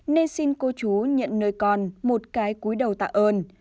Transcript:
nên xin cô chú nhận nơi con một cái cúi đầu tạ ơn